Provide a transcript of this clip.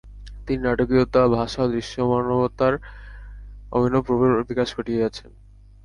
তিনি নাটকীয়তা, ভাষা ও দৃশ্যমানতার অভিনব রূপের বিকাশ ঘটিয়েছেন।